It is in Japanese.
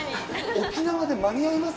沖縄で間に合います？